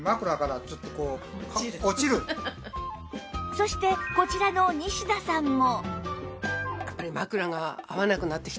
そしてこちらの西田さんも